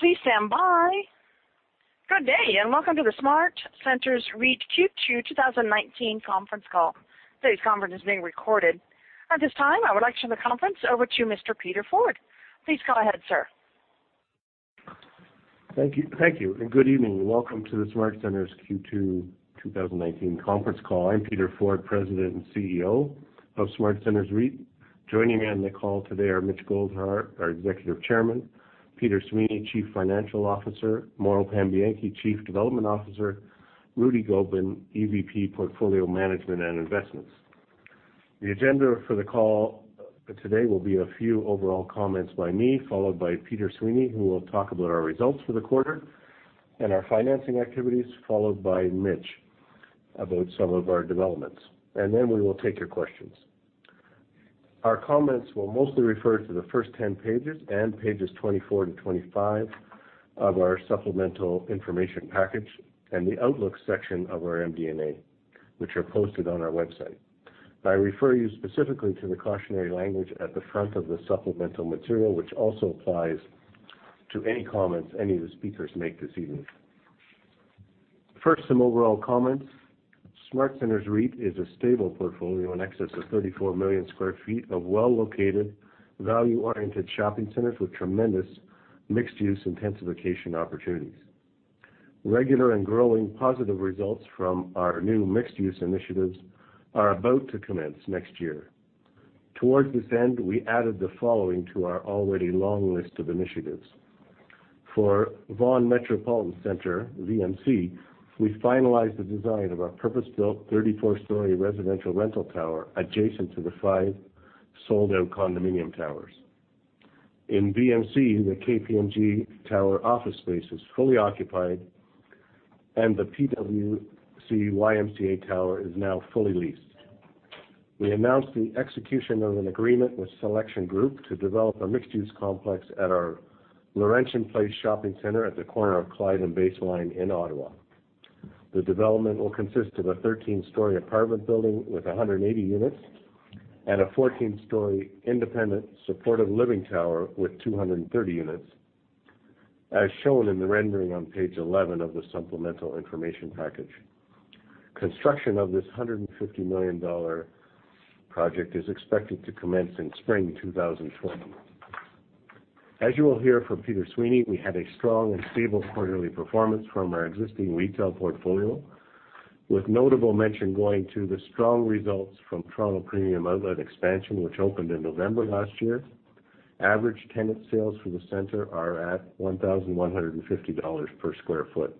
Please stand by. Good day, and welcome to the SmartCentres REIT Q2 2019 conference call. Today's conference is being recorded. At this time, I would like to turn the conference over to Mr. Peter Ford. Please go ahead, sir. Thank you, and good evening. Welcome to the SmartCentres Q2 2019 conference call. I'm Peter Ford, President and CEO of SmartCentres REIT. Joining me on the call today are Mitch Goldhar, our Executive Chairman, Peter Sweeney, Chief Financial Officer, Mauro Pambianchi, Chief Development Officer, Rudy Gobin, EVP, Portfolio Management and Investments. The agenda for the call today will be a few overall comments by me, followed by Peter Sweeney, who will talk about our results for the quarter and our financing activities, followed by Mitch about some of our developments. Then we will take your questions. Our comments will mostly refer to the first 10 pages and pages 24 to 25 of our supplemental information package and the outlook section of our MD&A, which are posted on our website. I refer you specifically to the cautionary language at the front of the supplemental material, which also applies to any comments any of the speakers make this evening. First, some overall comments. SmartCentres REIT is a stable portfolio in excess of 34 million square feet of well-located, value-oriented shopping centers with tremendous mixed-use intensification opportunities. Regular and growing positive results from our new mixed-use initiatives are about to commence next year. Towards this end, we added the following to our already long list of initiatives. For Vaughan Metropolitan Center, VMC, we finalized the design of our purpose-built 34-story residential rental tower adjacent to the five sold-out condominium towers. In VMC, the KPMG Tower office space is fully occupied, and the PwC YMCA Tower is now fully leased. We announced the execution of an agreement with Selection Group to develop a mixed-use complex at our Laurentian Place Shopping Centre at the corner of Clyde and Baseline in Ottawa. The development will consist of a 13-story apartment building with 180 units and a 14-story independent supportive living tower with 230 units, as shown in the rendering on page 11 of the supplemental information package. Construction of this 150 million dollar project is expected to commence in spring 2020. As you will hear from Peter Sweeney, we had a strong and stable quarterly performance from our existing retail portfolio, with notable mention going to the strong results from Toronto Premium Outlets expansion, which opened in November last year. Average tenant sales for the centre are at 1,150 dollars per square foot.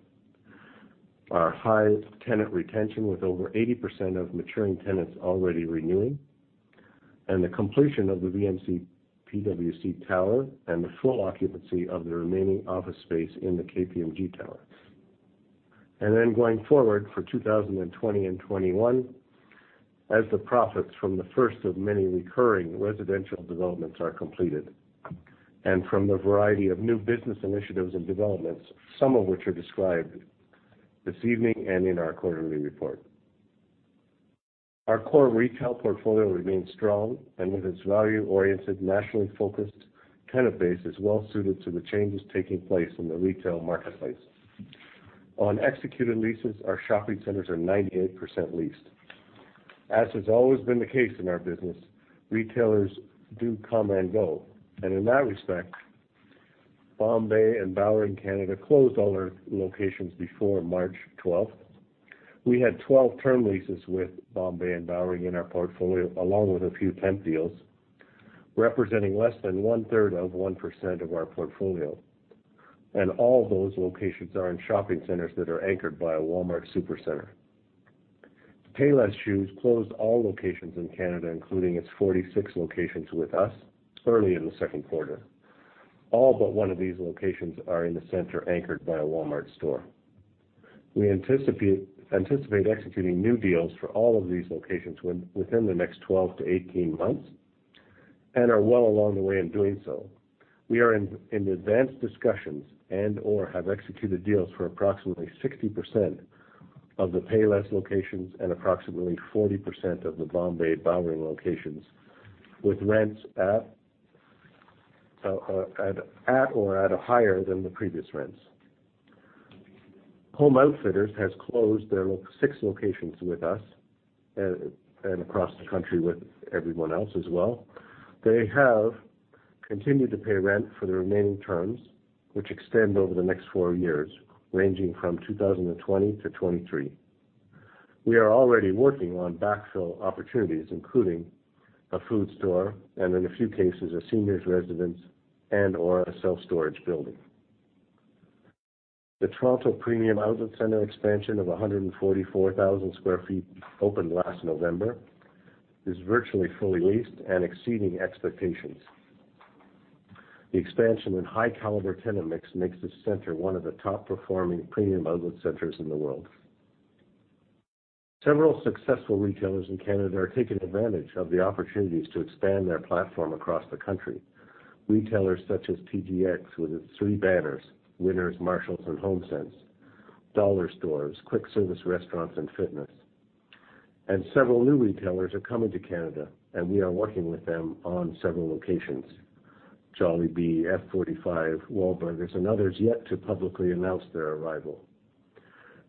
Our highest tenant retention with over 80% of maturing tenants already renewing, and the completion of the VMC PwC Tower and the full occupancy of the remaining office space in the KPMG Tower. Then going forward for 2020 and 2021, as the profits from the first of many recurring residential developments are completed and from the variety of new business initiatives and developments, some of which are described this evening and in our quarterly report. Our core retail portfolio remains strong and with its value-oriented, nationally-focused tenant base is well suited to the changes taking place in the retail marketplace. On executed leases, our shopping centers are 98% leased. As has always been the case in our business, retailers do come and go. In that respect, Bombay and Bowring Canada closed all their locations before March 12th. We had 12 term leases with Bombay and Bowring in our portfolio, along with a few temp deals, representing less than one-third of 1% of our portfolio. All those locations are in shopping centers that are anchored by a Walmart Supercentre. Payless Shoes closed all locations in Canada, including its 46 locations with us early in the second quarter. All but one of these locations are in a center anchored by a Walmart store. We anticipate executing new deals for all of these locations within the next 12-18 months and are well along the way in doing so. We are in advanced discussions and/or have executed deals for approximately 60% of the Payless locations and approximately 40% of the Bombay/Bowring locations with rents at or at a higher than the previous rents. Home Outfitters has closed their six locations with us and across the country with everyone else as well. They have continued to pay rent for the remaining terms, which extend over the next four years, ranging from 2020-2023. We are already working on backfill opportunities, including a food store and in a few cases, a seniors residence and/or a self-storage building. The Toronto Premium Outlet Center expansion of 144,000 sq ft opened last November. It is virtually fully leased and exceeding expectations. The expansion and high-caliber tenant mix makes this center one of the top-performing premium outlet centers in the world. Several successful retailers in Canada are taking advantage of the opportunities to expand their platform across the country. Retailers such as TJX with its three banners, Winners, Marshalls, and HomeSense, dollar stores, quick-service restaurants, and fitness. Several new retailers are coming to Canada, and we are working with them on several locations. Jollibee, F45, Wahlburgers, and others yet to publicly announce their arrival.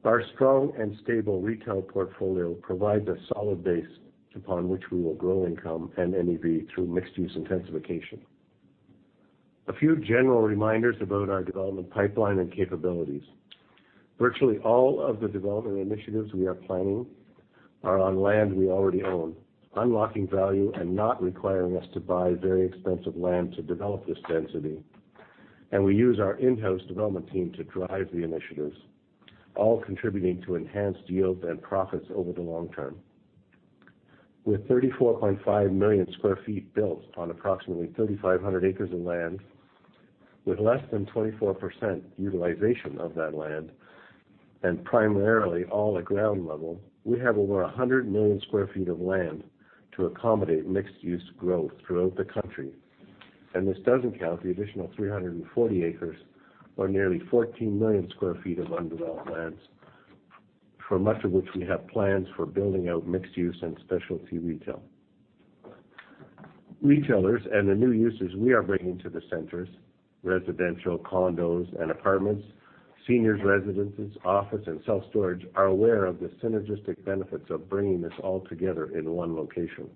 Our strong and stable retail portfolio provides a solid base upon which we will grow income and NAV through mixed-use intensification. A few general reminders about our development pipeline and capabilities. Virtually all of the development initiatives we are planning are on land we already own, unlocking value and not requiring us to buy very expensive land to develop this density. We use our in-house development team to drive the initiatives, all contributing to enhanced yields and profits over the long term. With 34.5 million sq ft built on approximately 3,500 acres of land, with less than 24% utilization of that land, and primarily all at ground level, we have over 100 million sq ft of land to accommodate mixed use growth throughout the country. This doesn't count the additional 340 acres or nearly 14 million sq ft of undeveloped lands, for much of which we have plans for building out mixed use and specialty retail. Retailers and the new users we are bringing to the centers, residential condos and apartments, seniors residences, office, and self-storage are aware of the synergistic benefits of bringing this all together in one location.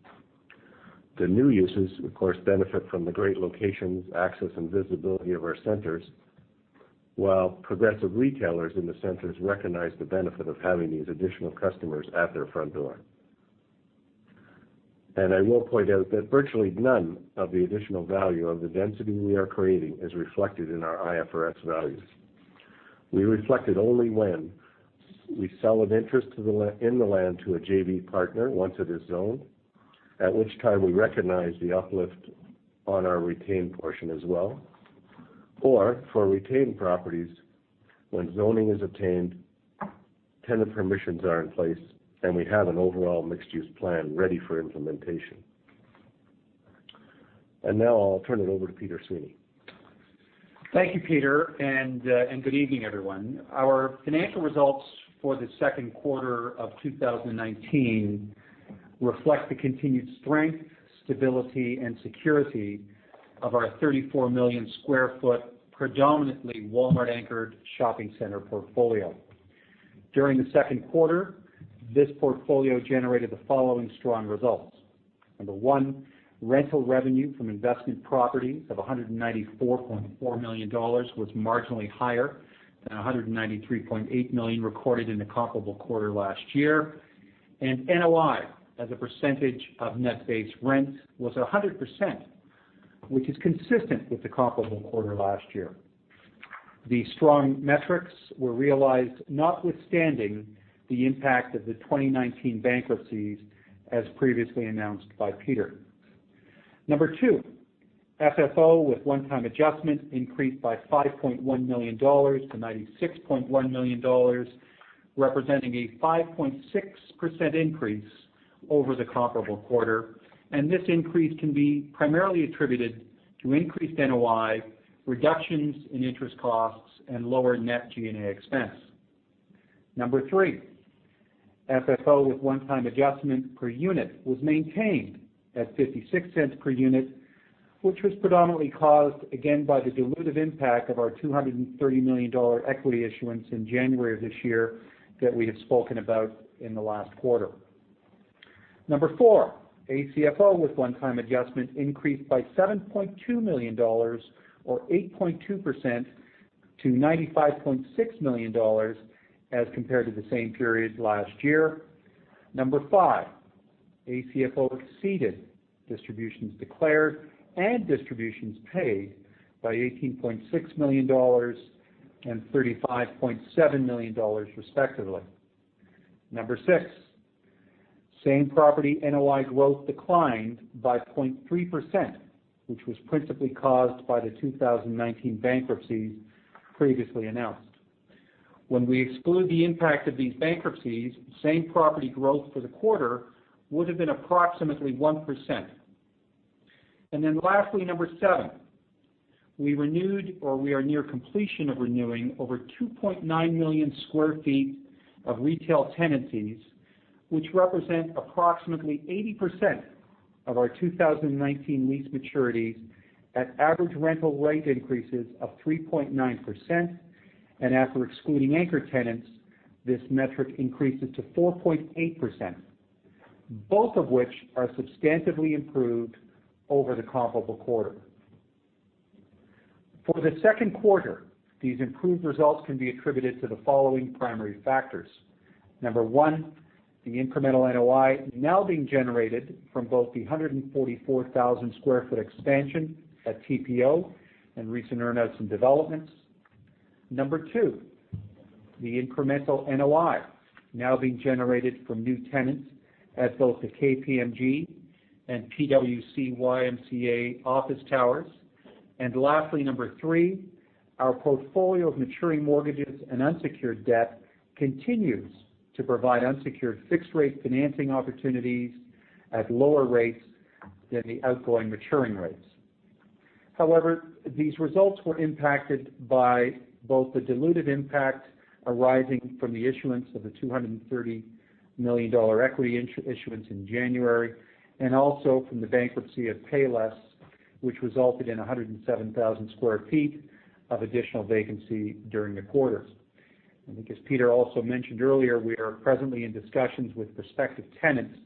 The new users, of course, benefit from the great locations, access, and visibility of our centers, while progressive retailers in the centers recognize the benefit of having these additional customers at their front door. I will point out that virtually none of the additional value of the density we are creating is reflected in our IFRS values. We reflect it only when we sell an interest in the land to a JV partner once it is zoned, at which time we recognize the uplift on our retained portion as well, or for retained properties, when zoning is obtained, tenant permissions are in place, and we have an overall mixed-use plan ready for implementation. Now I'll turn it over to Peter Sweeney. Thank you, Peter, good evening, everyone. Our financial results for the second quarter of 2019 reflect the continued strength, stability, and security of our 34 million sq ft predominantly Walmart-anchored shopping center portfolio. During the second quarter, this portfolio generated the following strong results. Number one, rental revenue from investment properties of 194.4 million dollars was marginally higher than 193.8 million recorded in the comparable quarter last year. NOI as a percentage of net base rent was 100%, which is consistent with the comparable quarter last year. The strong metrics were realized notwithstanding the impact of the 2019 bankruptcies as previously announced by Peter. Number two, FFO with one-time adjustment increased by 5.1 million dollars to 96.1 million dollars, representing a 5.6% increase over the comparable quarter. This increase can be primarily attributed to increased NOI, reductions in interest costs, and lower net G&A expense. Number 3, FFO with one-time adjustment per unit was maintained at 0.56 per unit, which was predominantly caused again by the dilutive impact of our 230 million dollar equity issuance in January of this year that we have spoken about in the last quarter. Number 4, ACFO with one-time adjustment increased by 7.2 million dollars or 8.2% to 95.6 million dollars as compared to the same period last year. Number 5, ACFO exceeded distributions declared and distributions paid by 18.6 million dollars and 35.7 million dollars, respectively. Number 6, same-property NOI growth declined by 0.3%, which was principally caused by the 2019 bankruptcies previously announced. When we exclude the impact of these bankruptcies, same-property growth for the quarter would have been approximately 1%. Lastly, number 7, we renewed or we are near completion of renewing over 2.9 million sq ft of retail tenancies, which represent approximately 80% of our 2019 lease maturities at average rental rate increases of 3.9%. After excluding anchor tenants, this metric increases to 4.8%, both of which are substantively improved over the comparable quarter. For the second quarter, these improved results can be attributed to the following primary factors. Number 1, the incremental NOI now being generated from both the 144,000 sq ft expansion at TPO and recent earn-outs and developments. Number 2, the incremental NOI now being generated from new tenants at both the KPMG and PwC YMCA office towers. Lastly, number 3, our portfolio of maturing mortgages and unsecured debt continues to provide unsecured fixed-rate financing opportunities at lower rates than the outgoing maturing rates. However, these results were impacted by both the dilutive impact arising from the issuance of the 230 million dollar equity issuance in January, and also from the bankruptcy of Payless, which resulted in 107,000 sq ft of additional vacancy during the quarter. Because Peter also mentioned earlier, we are presently in discussions with prospective tenants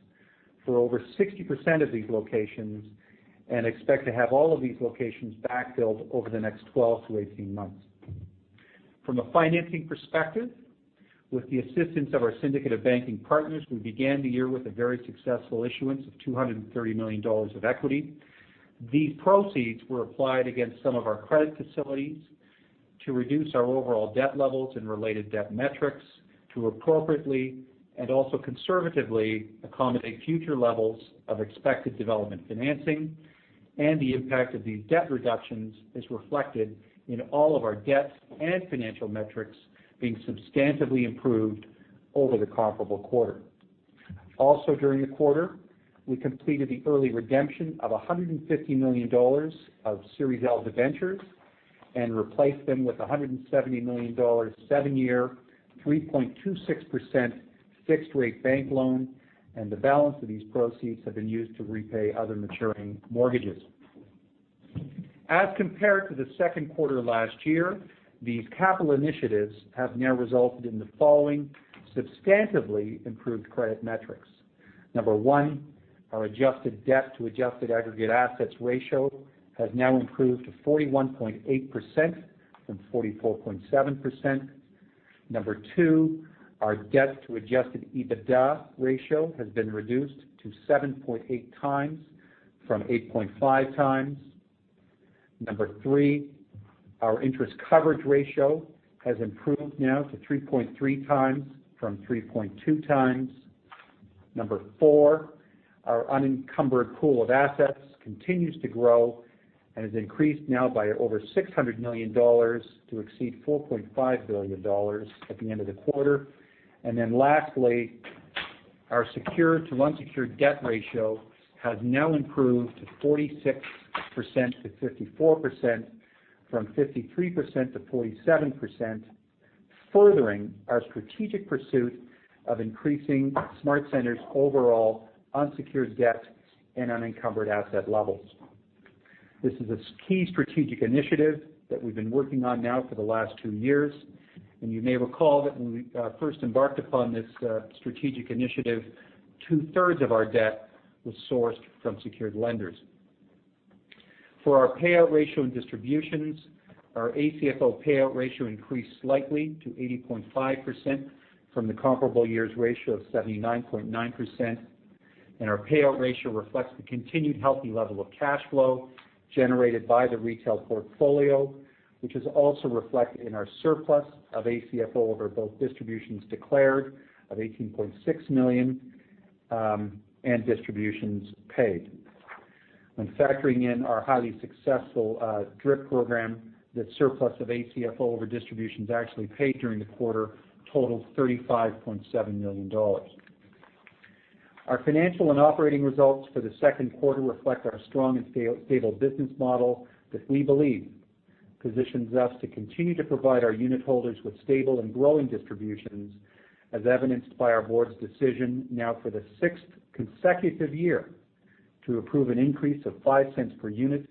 for over 60% of these locations and expect to have all of these locations backfilled over the next 12-18 months. From a financing perspective, with the assistance of our syndicated banking partners, we began the year with a very successful issuance of 230 million dollars of equity. These proceeds were applied against some of our credit facilities to reduce our overall debt levels and related debt metrics to appropriately and also conservatively accommodate future levels of expected development financing, and the impact of these debt reductions is reflected in all of our debt and financial metrics being substantively improved over the comparable quarter. During the quarter, we completed the early redemption of 150 million dollars of Series L debentures and replaced them with 170 million dollars 7-year, 3.26% fixed-rate bank loan, and the balance of these proceeds have been used to repay other maturing mortgages. Compared to the second quarter last year, these capital initiatives have now resulted in the following substantively improved credit metrics. Number 1, our adjusted debt to adjusted aggregate assets ratio has now improved to 41.8% from 44.7%. Number two, our debt to adjusted EBITDA ratio has been reduced to 7.8x from 8.5x. Number three, our interest coverage ratio has improved now to 3.3x from 3.2x. Number four, our unencumbered pool of assets continues to grow and has increased now by over 600 million dollars to exceed 4.5 billion dollars at the end of the quarter. Lastly, our secured to unsecured debt ratio has now improved to 46%-54%, from 53%-47%, furthering our strategic pursuit of increasing SmartCentres' overall unsecured debt and unencumbered asset levels. This is a key strategic initiative that we've been working on now for the last two years, and you may recall that when we first embarked upon this strategic initiative, two-thirds of our debt was sourced from secured lenders. For our payout ratio and distributions, our ACFO payout ratio increased slightly to 80.5% from the comparable year's ratio of 79.9%. Our payout ratio reflects the continued healthy level of cash flow generated by the retail portfolio, which is also reflected in our surplus of ACFO over both distributions declared of 18.6 million and distributions paid. When factoring in our highly successful DRIP program, that surplus of ACFO over distributions actually paid during the quarter totaled 35.7 million dollars. Our financial and operating results for the second quarter reflect our strong and stable business model that we believe positions us to continue to provide our unit holders with stable and growing distributions, as evidenced by our board's decision now for the sixth consecutive year to approve an increase of 0.05 per unit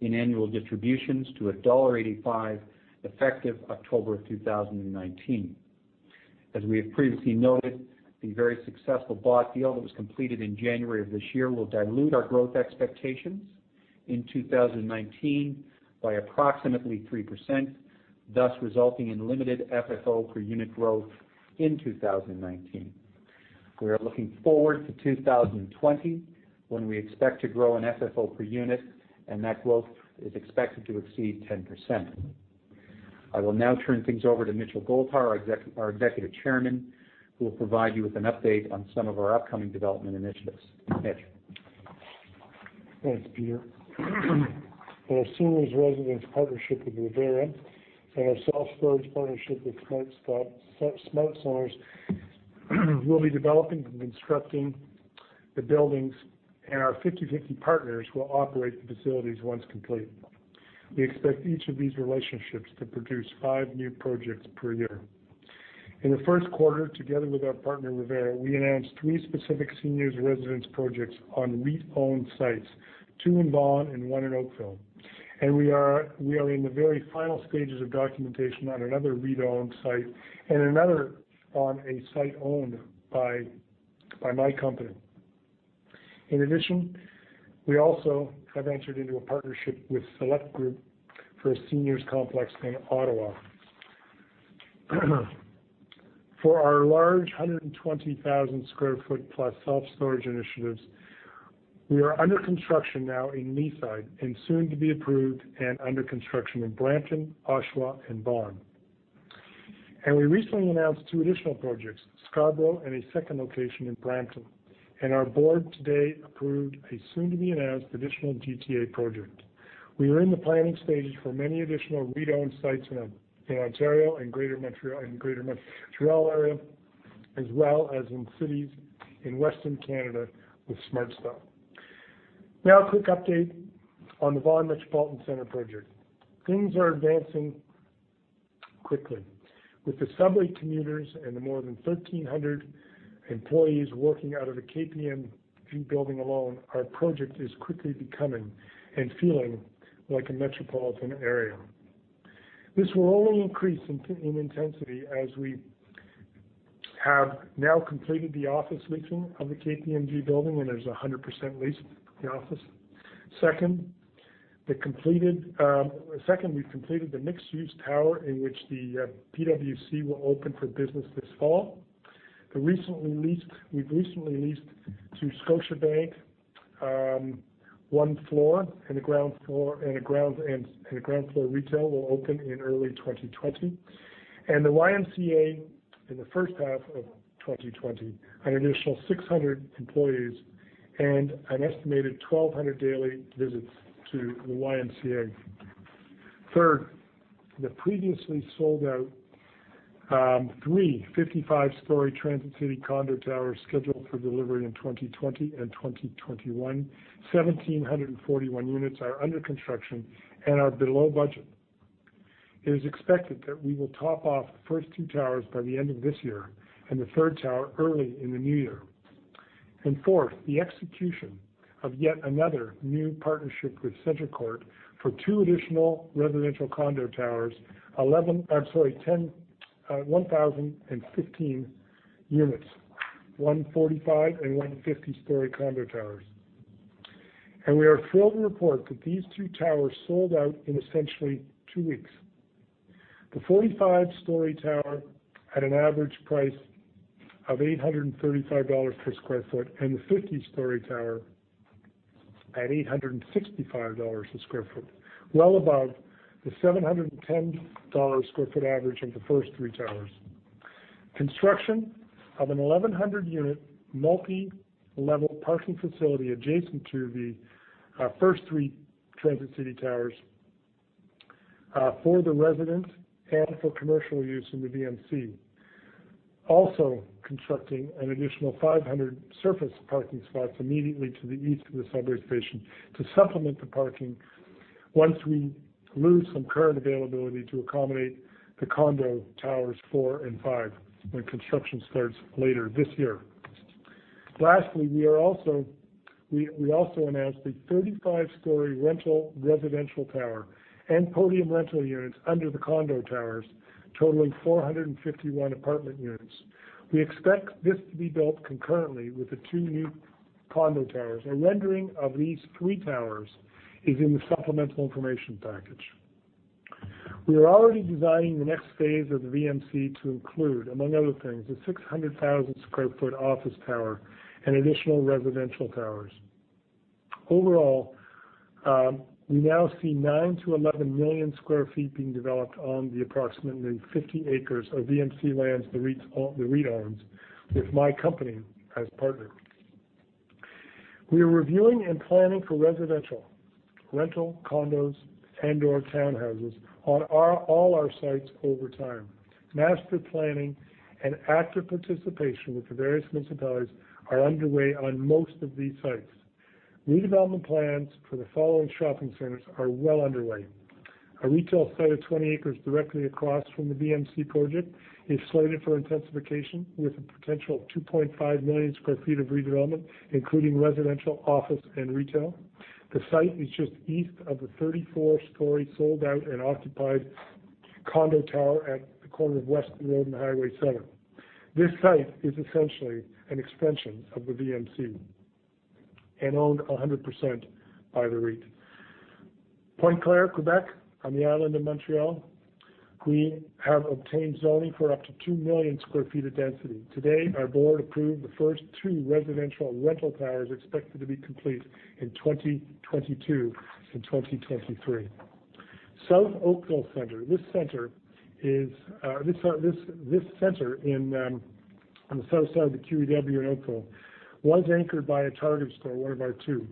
in annual distributions to dollar 1.85, effective October of 2019. As we have previously noted, the very successful bought deal that was completed in January of this year will dilute our growth expectations in 2019 by approximately 3%, thus resulting in limited FFO per unit growth in 2019. We are looking forward to 2020, when we expect to grow in FFO per unit. That growth is expected to exceed 10%. I will now turn things over to Mitchell Goldhar, our Executive Chairman, who will provide you with an update on some of our upcoming development initiatives. Mitch. Thanks, Peter. For our seniors' residence partnership with Revera and our self-storage partnership with SmartStop, SmartCentres, we'll be developing and constructing the buildings, and our 50/50 partners will operate the facilities once complete. We expect each of these relationships to produce five new projects per year. In the first quarter, together with our partner, Revera, we announced three specific seniors' residence projects on REIT-owned sites, two in Vaughan and one in Oakville. We are in the very final stages of documentation on another REIT-owned site and another on a site owned by my company. In addition, we also have entered into a partnership with Selection Group for a seniors complex in Ottawa. For our large 120,000 sq ft-plus self-storage initiatives, we are under construction now in Leaside, and soon to be approved and under construction in Brampton, Oshawa, and Vaughan. We recently announced two additional projects, Scarborough and a second location in Brampton. Our board today approved a soon-to-be-announced additional GTA project. We are in the planning stages for many additional REIT-owned sites in Ontario and Greater Montreal area. As well as in cities in Western Canada with SmartCentres. Now a quick update on the Vaughan Metropolitan Centre project. Things are advancing quickly. With the subway commuters and the more than 1,300 employees working out of the KPMG building alone, our project is quickly becoming and feeling like a metropolitan area. This will only increase in intensity as we have now completed the office leasing of the KPMG building, and there's 100% leased the office. Second, we've completed the mixed-use tower in which the PwC will open for business this fall. We've recently leased to Scotiabank one floor, and the ground floor retail will open in early 2020. The YMCA in the first half of 2020. An additional 600 employees and an estimated 1,200 daily visits to the YMCA. Third, the previously sold-out three 55-story Transit City condo towers scheduled for delivery in 2020 and 2021, 1,741 units are under construction and are below budget. It is expected that we will top off the first two towers by the end of this year and the third tower early in the new year. Fourth, the execution of yet another new partnership with CentreCourt for two additional residential condo towers, 1,015 units. One 45 and one 50-story condo towers. We are thrilled to report that these two towers sold out in essentially two weeks. The 45-story tower at an average price of 835 dollars per square foot, and the 50-story tower at 865 dollars a square foot, well above the 710 dollars a square foot average of the first three towers. Construction of an 1,100-unit multi-level parking facility adjacent to the first three Transit City towers for the residents and for commercial use in the VMC. Also constructing an additional 500 surface parking spots immediately to the east of the subway station to supplement the parking once we lose some current availability to accommodate the condo towers four and five, when construction starts later this year. Lastly, we also announced a 35-story rental residential tower and podium rental units under the condo towers, totaling 451 apartment units. We expect this to be built concurrently with the two new condo towers. A rendering of these three towers is in the supplemental information package. We are already designing the next phase of the VMC to include, among other things, a 600,000 sq ft office tower and additional residential towers. Overall, we now see 9 million-11 million sq ft being developed on the approximately 50 acres of VMC lands the REIT owns with my company as partner. We are reviewing and planning for residential, rental, condos, and/or townhouses on all our sites over time. Master planning and active participation with the various municipalities are underway on most of these sites. Redevelopment plans for the following shopping centers are well underway. A retail site of 20 acres directly across from the VMC project is slated for intensification with a potential 2.5 million sq ft of redevelopment, including residential, office, and retail. The site is just east of the 34-story sold-out and occupied condo tower at the corner of Weston Road and Highway 7. This site is essentially an extension of the VMC and owned 100% by the REIT. Pointe-Claire, Quebec, on the island of Montreal, we have obtained zoning for up to 2 million sq ft of density. Today, our board approved the first two residential rental towers expected to be complete in 2022 and 2023. South Oakville Centre. This center on the south side of the QEW in Oakville was anchored by a Target store, one of our two.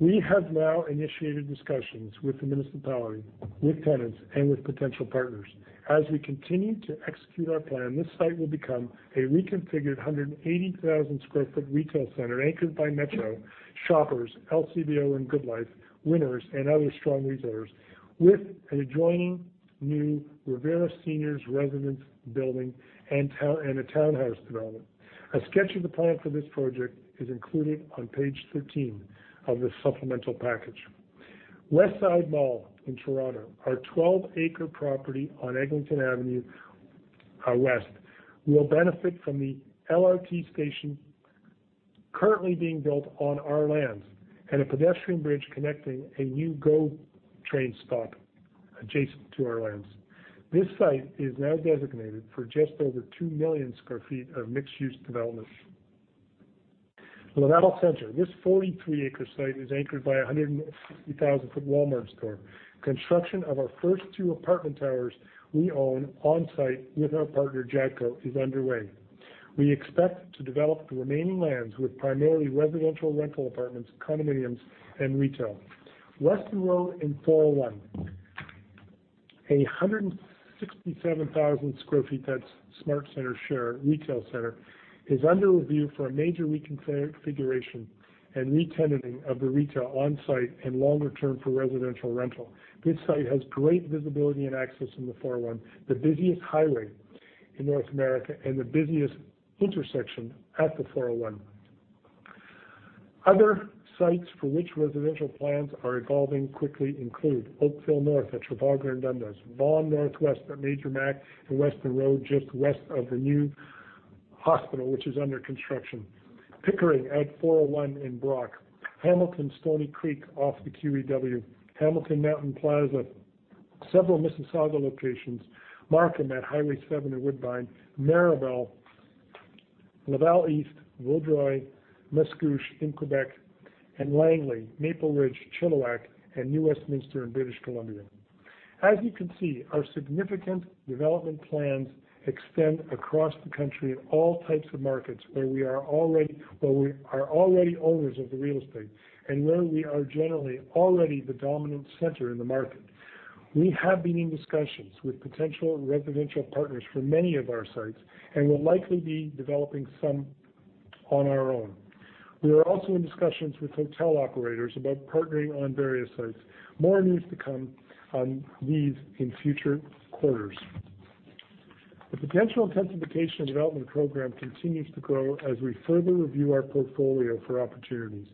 We have now initiated discussions with the municipality, with tenants, and with potential partners. As we continue to execute our plan, this site will become a reconfigured 180,000 sq ft retail center anchored by Metro, Shoppers, LCBO and GoodLife, Winners, and other strong retailers with an adjoining new Revera seniors residence building and a townhouse development. A sketch of the plan for this project is included on page 13 of the supplemental package. Westside Mall in Toronto. Our 12-acre property on Eglinton Avenue West will benefit from the LRT station currently being built on our lands and a pedestrian bridge connecting a new GO train stop adjacent to our lands. This site is now designated for just over 2 million sq ft of mixed-use development. Lanaudière Centre. This 43-acre site is anchored by 160,000 sq ft Walmart store. Construction of our first 2 apartment towers we own on-site with our partner Jadco is underway. We expect to develop the remaining lands with primarily residential rental apartments, condominiums, and retail. Weston Road and 401. A 167,000 sq ft SmartCentres retail center is under review for a major reconfiguration and re-tenanting of the retail on-site and longer term for residential rental. This site has great visibility and access from the 401, the busiest highway in North America and the busiest intersection at the 401. Other sites for which residential plans are evolving quickly include Oakville North at Trafalgar and Dundas, Vaughan Northwest at Major Mac and Weston Road, just west of the new hospital, which is under construction. Pickering at 401 and Brock, Hamilton Stoney Creek off the QEW, Hamilton Mountain Plaza, several Mississauga locations, Markham at Highway 7 and Woodbine, Mirabel, Laval East, Vaudreuil, Mascouche in Quebec, and Langley, Maple Ridge, Chilliwack, and New Westminster in British Columbia. As you can see, our significant development plans extend across the country in all types of markets, where we are already owners of the real estate and where we are generally already the dominant center in the market. We have been in discussions with potential residential partners for many of our sites and will likely be developing some on our own. We are also in discussions with hotel operators about partnering on various sites. More news to come on these in future quarters. The potential intensification development program continues to grow as we further review our portfolio for opportunities.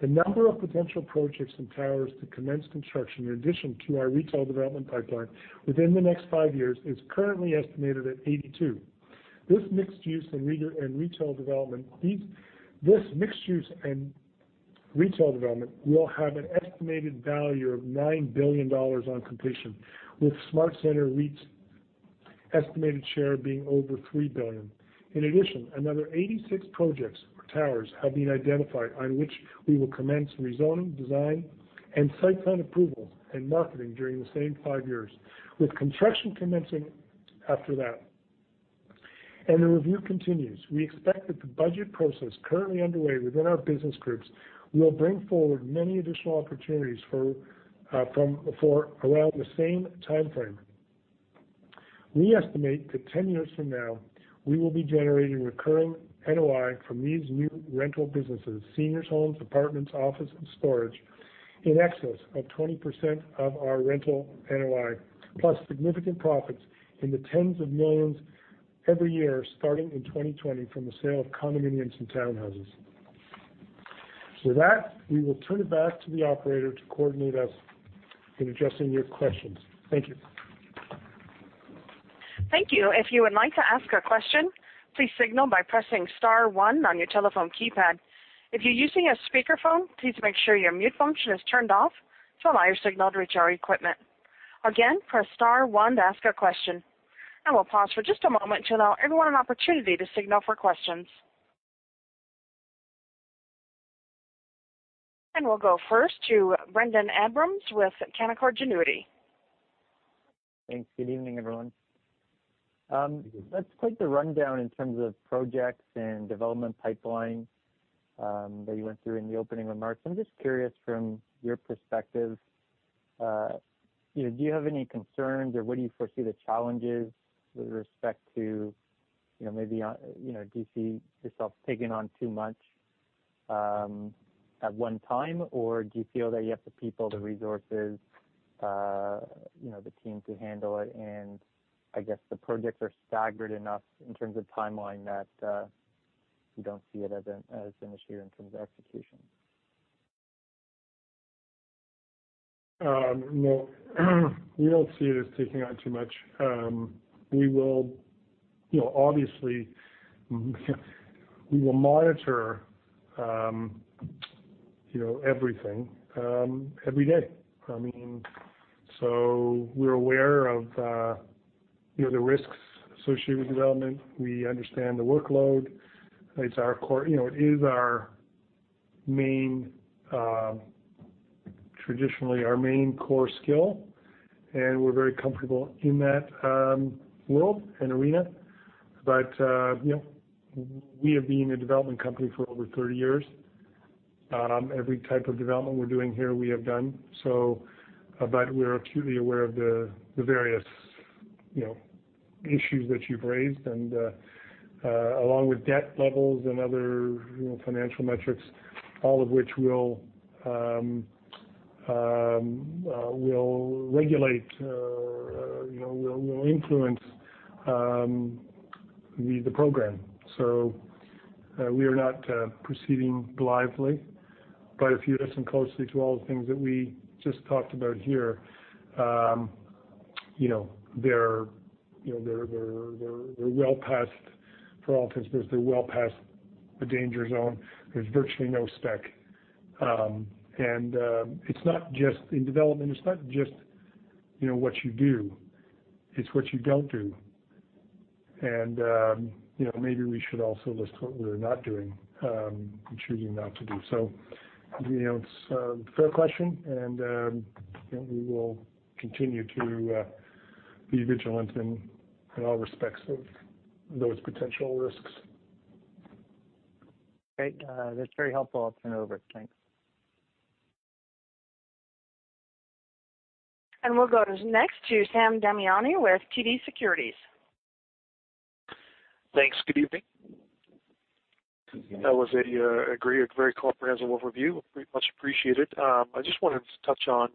The number of potential projects and towers to commence construction in addition to our retail development pipeline within the next 5 years is currently estimated at 82. This mixed use and retail development will have an estimated value of 9 billion dollars on completion, with SmartCentres REIT's estimated share being over 3 billion. In addition, another 86 projects or towers have been identified on which we will commence rezoning, design, and site plan approval, and marketing during the same 5 years, with construction commencing after that. The review continues. We expect that the budget process currently underway within our business groups will bring forward many additional opportunities around the same timeframe. We estimate that 10 years from now, we will be generating recurring NOI from these new rental businesses, seniors' homes, apartments, office, and storage, in excess of 20% of our rental NOI, plus significant profits in the tens of millions every year, starting in 2020, from the sale of condominiums and townhouses. With that, we will turn it back to the operator to coordinate us in addressing your questions. Thank you. Thank you. If you would like to ask a question, please signal by pressing *1 on your telephone keypad. If you're using a speakerphone, please make sure your mute function is turned off to allow your signal to reach our equipment. Again, press *1 to ask a question. We'll pause for just a moment to allow everyone an opportunity to signal for questions. We'll go first to Brendan Abrams with Canaccord Genuity. Thanks. Good evening, everyone. That's quite the rundown in terms of projects and development pipeline that you went through in the opening remarks. I'm just curious from your perspective, do you have any concerns, or what do you foresee the challenges with respect to maybe, do you see yourself taking on too much at one time? Do you feel that you have the people, the resources, the team to handle it? I guess the projects are staggered enough in terms of timeline that you don't see it as an issue in terms of execution? No. We don't see it as taking on too much. Obviously, we will monitor everything every day. We're aware of the risks associated with development. We understand the workload. It is traditionally our main core skill, and we're very comfortable in that world and arena. We have been a development company for over 30 years. Every type of development we're doing here, we have done. We are acutely aware of the various issues that you've raised and along with debt levels and other financial metrics, all of which will regulate, will influence the program. We are not proceeding blithely. If you listen closely to all the things that we just talked about here, for all intents and purposes, they're well past the danger zone. There's virtually no spec. In development, it's not just what you do, it's what you don't do. Maybe we should also list what we're not doing and choosing not to do. It's a fair question, and we will continue to be vigilant in all respects of those potential risks. Great. That's very helpful. I'll turn it over. Thanks. We'll go next to Sam Damiani with TD Securities. Thanks. Good evening. That was a great, very comprehensive overview. Much appreciated. I just wanted to touch on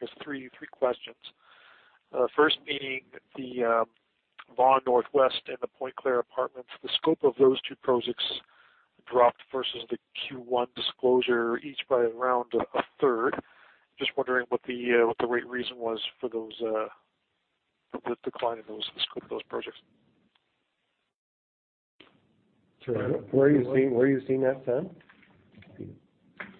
just three questions. First being the Vaughan Northwest and the Pointe Claire apartments, the scope of those two projects dropped versus the Q1 disclosure each by around a third. Just wondering what the real reason was for the decline in the scope of those projects. Where are you seeing that, Sam?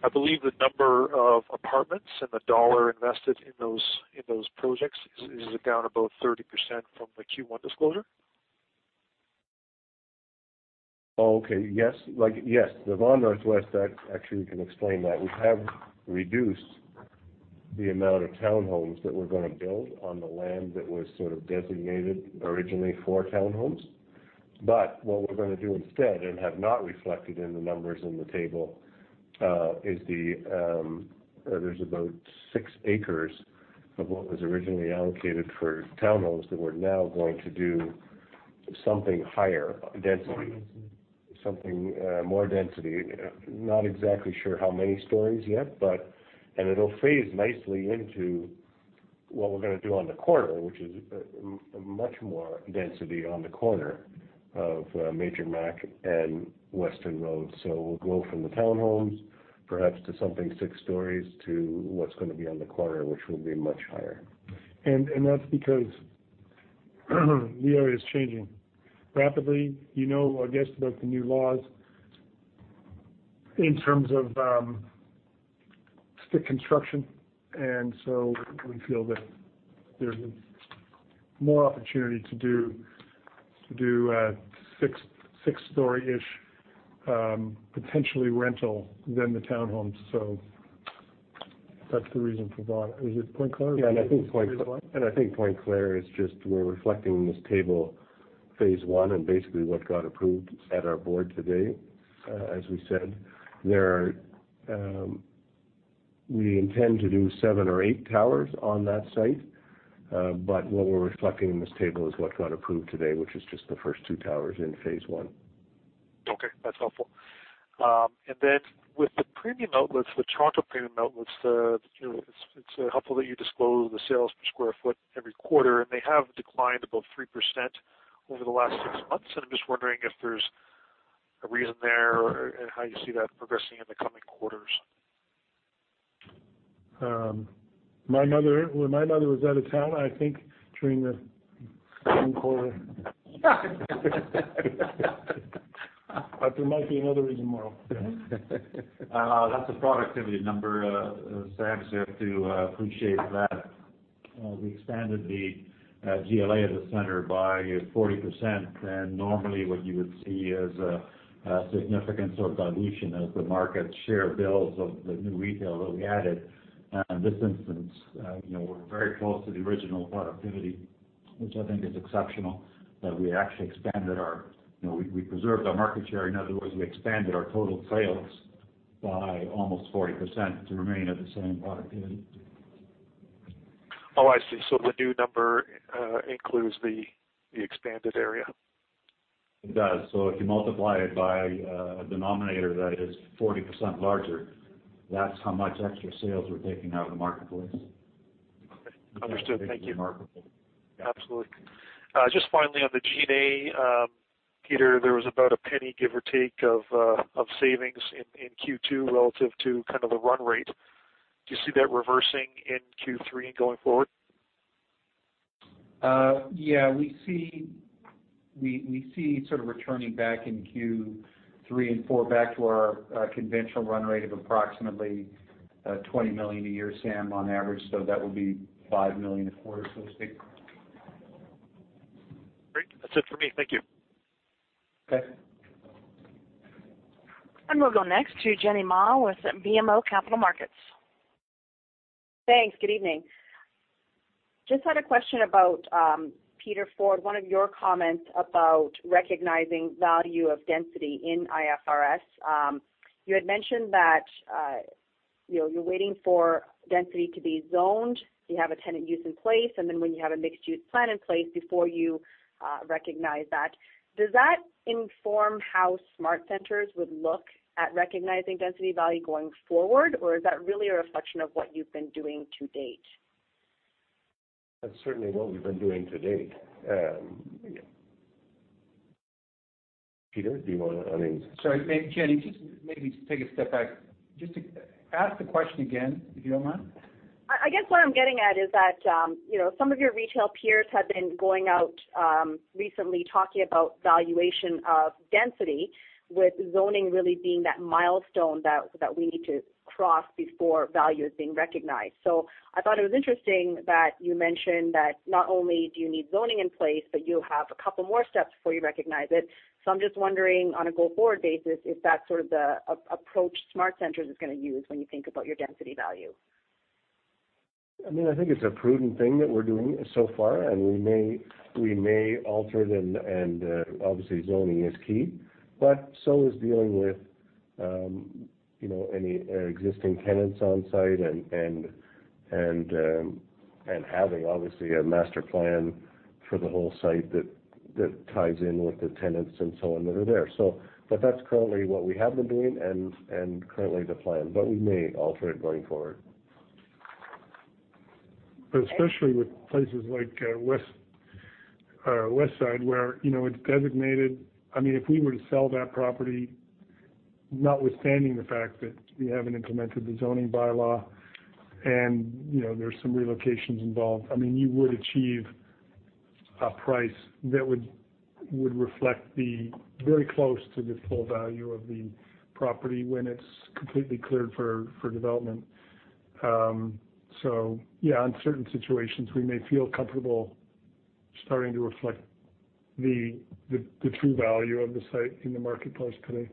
I believe the number of apartments and the CAD invested in those projects is down about 30% from the Q1 disclosure. Okay. Yes. The Vaughan Northwest, actually, we can explain that. We have reduced the amount of townhomes that we're going to build on the land that was sort of designated originally for townhomes. What we're going to do instead, and have not reflected in the numbers in the table, there's about six acres of what was originally allocated for townhomes that we're now going to do something higher density. Something more density. Not exactly sure how many stories yet, and it'll phase nicely into what we're going to do on the corner, which is much more density on the corner of Major Mac and Western Road. We'll go from the townhomes, perhaps to something six stories to what's going to be on the corner, which will be much higher. That's because the area is changing rapidly. You know, I guess, about the new laws in terms of stick construction, we feel that there's more opportunity to do six-story-ish, potentially rental than the townhomes. That's the reason for Vaughan. Is it Pointe Claire? Yeah, I think Pointe Claire is just, we're reflecting in this table phase 1 and basically what got approved at our board today, as we said. We intend to do seven or eight towers on that site. What we're reflecting in this table is what got approved today, which is just the first two towers in phase 1. Okay. That's helpful. With the premium outlets, the Toronto Premium Outlets, it's helpful that you disclose the sales per square foot every quarter, and they have declined above 3% over the last six months. I'm just wondering if there's a reason there, and how you see that progressing in the coming quarters. Well, my mother was out of town, I think, during the second quarter. There might be another reason, Mauro. That's a productivity number, Sam, you have to appreciate that. We expanded the GLA of the center by 40%, normally what you would see is a significant sort of dilution as the market share builds of the new retail that we added. In this instance, we're very close to the original productivity, which I think is exceptional, that we actually preserved our market share. In other words, we expanded our total sales by almost 40% to remain at the same productivity. Oh, I see. The new number includes the expanded area. It does. If you multiply it by a denominator that is 40% larger, that's how much extra sales we're taking out of the marketplace. Understood. Thank you. Absolutely. Just finally on the G&A, Peter, there was about CAD 0.01, give or take, of savings in Q2 relative to kind of the run rate. Do you see that reversing in Q3 going forward? Yeah, we see sort of returning back in Q3 and 4 back to our conventional run rate of approximately 20 million a year, Sam, on average. That would be 5 million a quarter, so to speak. Great. That's it for me. Thank you. Okay. We'll go next to Jenny Ma with BMO Capital Markets. Thanks. Good evening. Just had a question about, Peter Ford, one of your comments about recognizing value of density in IFRS. You had mentioned that you're waiting for density to be zoned. You have a tenant use in place, and then when you have a mixed-use plan in place before you recognize that. Does that inform how SmartCentres would look at recognizing density value going forward, or is that really a reflection of what you've been doing to date? That's certainly what we've been doing to date. Peter, I mean. Sorry, Jenny, just maybe take a step back. Just ask the question again, if you don't mind. I guess what I'm getting at is that some of your retail peers have been going out recently talking about valuation of density with zoning really being that milestone that we need to cross before value is being recognized. I thought it was interesting that you mentioned that not only do you need zoning in place, but you have a couple more steps before you recognize it. I'm just wondering on a go-forward basis, if that's sort of the approach SmartCentres is going to use when you think about your density value. I think it's a prudent thing that we're doing so far. We may alter them. Obviously zoning is key. So is dealing with any existing tenants on site and having, obviously, a master plan for the whole site that ties in with the tenants and so on that are there. That's currently what we have been doing and currently the plan. We may alter it going forward. Especially with places like West Side, where it's designated. If we were to sell that property, notwithstanding the fact that we haven't implemented the zoning by-law and there's some relocations involved, you would achieve a price that would reflect very close to the full value of the property when it's completely cleared for development. Yeah, in certain situations, we may feel comfortable starting to reflect the true value of the site in the marketplace today,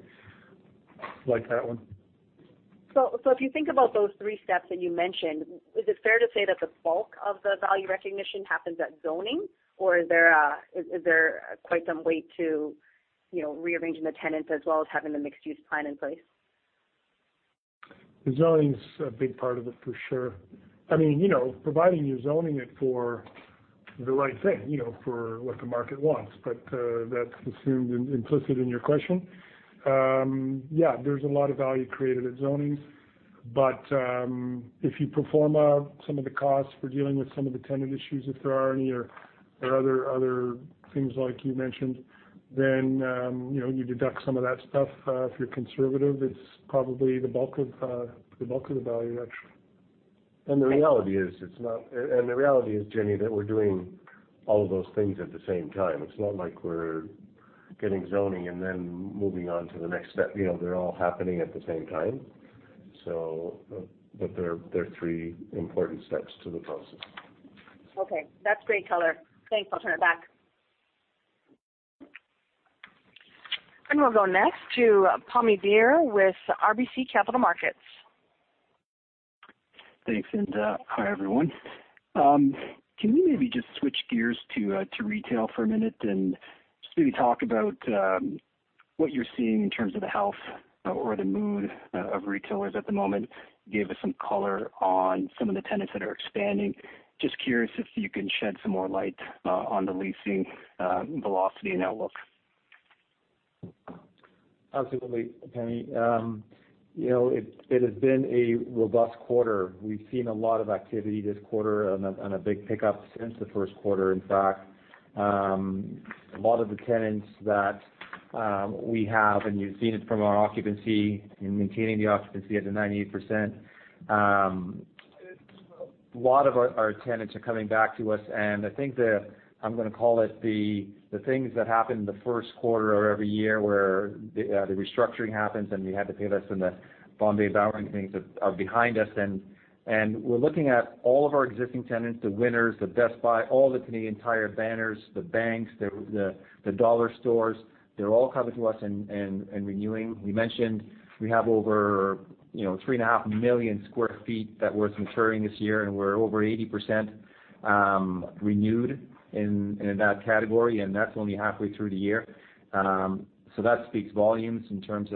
like that one. If you think about those three steps that you mentioned, is it fair to say that the bulk of the value recognition happens at zoning? Is there quite some weight to rearranging the tenants as well as having the mixed-use plan in place? The zoning's a big part of it, for sure. Providing you're zoning it for the right thing, for what the market wants. That's assumed, implicit in your question. Yeah, there's a lot of value created at zoning. If you pro forma some of the costs for dealing with some of the tenant issues, if there are any, or other things like you mentioned, then you deduct some of that stuff. If you're conservative, it's probably the bulk of the value, actually. The reality is, Jenny, that we're doing all of those things at the same time. It's not like we're getting zoning and then moving on to the next step. They're all happening at the same time. They are three important steps to the process. Okay. That's great color. Thanks. I'll turn it back. We'll go next to Pammi Bir with RBC Capital Markets. Thanks. Hi, everyone. Can we maybe just switch gears to retail for a minute and just maybe talk about what you're seeing in terms of the health or the mood of retailers at the moment? You gave us some color on some of the tenants that are expanding. Just curious if you can shed some more light on the leasing velocity and outlook. Absolutely, Pammi. It has been a robust quarter. We've seen a lot of activity this quarter and a big pickup since the first quarter, in fact. A lot of the tenants that we have, and you've seen it from our occupancy, in maintaining the occupancy at the 98%, a lot of our tenants are coming back to us. I think that I'm going to call it the things that happen in the first quarter of every year where the restructuring happens, you have the Payless and the Bombay/Bowring things are behind us. We're looking at all of our existing tenants, the Winners, the Best Buy, all the Canadian Tire banners, the banks, the dollar stores, they're all coming to us and renewing. We mentioned we have over three and a half million square feet that was maturing this year, and we're over 80% renewed in that category, and that's only halfway through the year. That speaks volumes in terms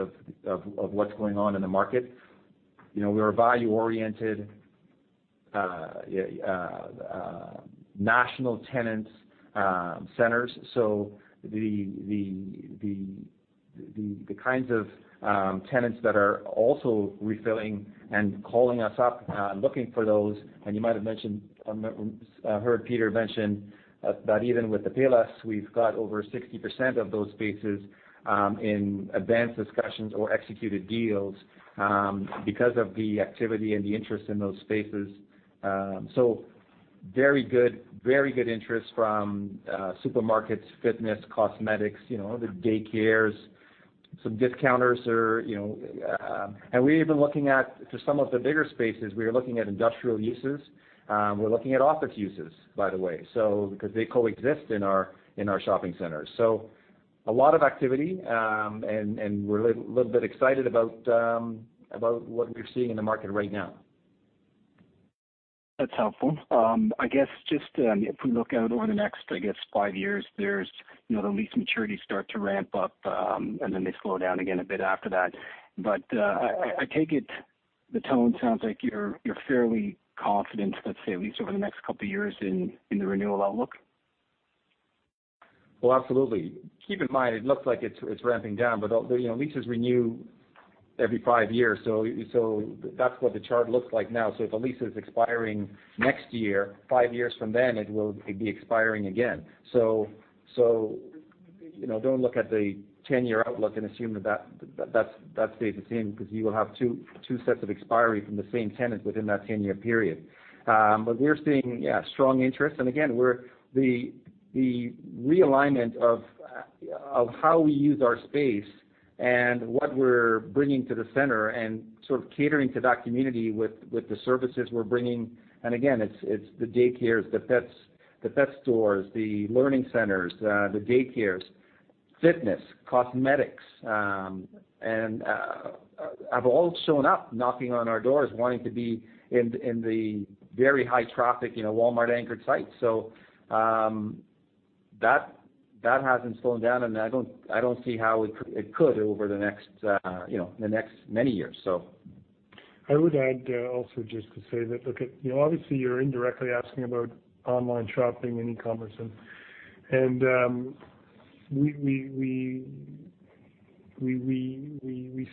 of what's going on in the market. We're a value-oriented national tenant centers. The kinds of tenants that are also refilling and calling us up, looking for those, and you might have heard Peter mention that even with the Payless, we've got over 60% of those spaces in advanced discussions or executed deals because of the activity and the interest in those spaces. Very good interest from supermarkets, fitness, cosmetics, the daycares, some discounters. We've been looking at, for some of the bigger spaces, we are looking at industrial uses. We're looking at office uses, by the way. They coexist in our shopping centers. A lot of activity, and we're a little bit excited about what we're seeing in the market right now. That's helpful. I guess just if we look out over the next, I guess five years, there's the lease maturities start to ramp up. They slow down again a bit after that. I take it the tone sounds like you're fairly confident, let's say at least over the next couple of years, in the renewal outlook. Well, absolutely. Keep in mind, it looks like it's ramping down, but leases renew every five years. That's what the chart looks like now. If a lease is expiring next year, five years from then, it will be expiring again. Don't look at the 10-year outlook and assume that stays the same because you will have two sets of expiry from the same tenant within that 10-year period. We're seeing, yeah, strong interest. Again, the realignment of how we use our space and what we're bringing to the center and sort of catering to that community with the services we're bringing. Again, it's the daycares, the pet stores, the learning centers, the daycares fitness, cosmetics, have all shown up knocking on our doors wanting to be in the very high traffic, Walmart anchored sites. That hasn't slowed down, and I don't see how it could over the next many years. I would add also just to say that, obviously you're indirectly asking about online shopping and e-commerce. We